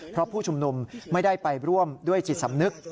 เพราะผู้ชุมนุมไม่ได้ไปร่วมด้วยจิตสำนึก